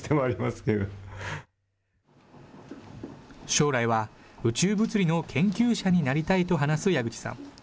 将来は、宇宙物理の研究者になりたいと話す矢口さん。